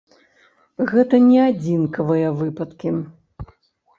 Гэта не адзінкавыя выпадкі.